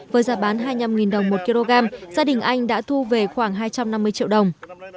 với giá bán hai mươi năm đồng một kg gia đình anh đã thu về khoảng hai trăm năm mươi triệu đồng